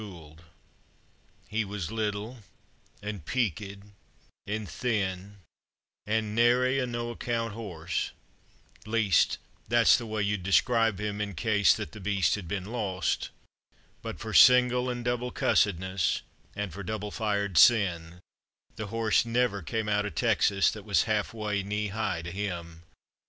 A FRAGMENT He was little an' peaked an' thin, an' narry a no account horse, Least that's the way you'd describe him in case that the beast had been lost; But, for single and double cussedness an' for double fired sin, The horse never came out o' Texas that was half way knee high to him!